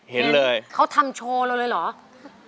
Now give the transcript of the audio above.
เห็นเลยเขาทำโชว์เราเลยเหรอ